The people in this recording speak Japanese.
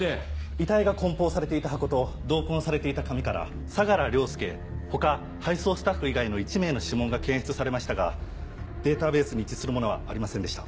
遺体が梱包されていた箱と同梱されていた紙から相良凌介他配送スタッフ以外の１名の指紋が検出されましたがデータベースに一致するものはありませんでした。